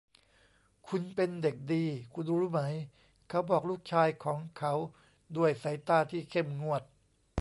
คุณเป็นเด็กดีคุณรู้ไหม เขาบอกลูกชายของเขาด้วยสายตาที่เข้มงวด